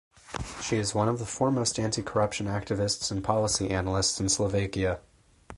She is one of the foremost anticorruption activists and policy analysts in Slovakia.